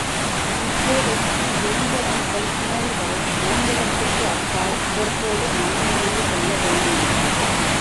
இப்போதைக்கு, வேங்கடம் முதல் குமரி வரை வேங்கடத்துக்கு அப்பால் இவற்றோடு மன நிறைவு கொள்ள வேண்டியிருக்கிறது.